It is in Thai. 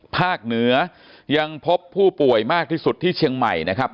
ภาคเหนือยังพบผู้ป่วยมากที่สุดที่เชียงใหม่นะครับ